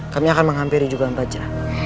kami akan menghampiri juragan bajra